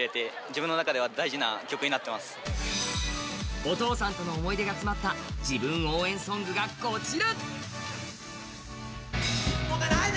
お父さんとの思い出が詰まった自分応援ソングがこちら。